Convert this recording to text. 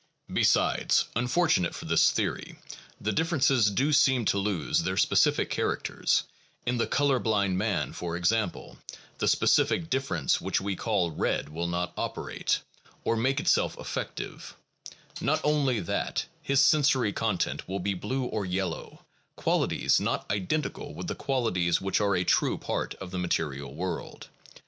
Besides, unfortunately for this theory, the differences do seem to lose their specific characters: in the color blind man, for example, the specific difference which we call red will not operate, or make itself effective; not only that, his sensory content will be blue or yellow, qualities not identical with the qualities which are a true part of the material world.